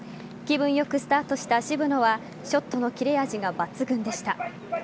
気分良くスタートした渋野はショットの切れ味が抜群でした。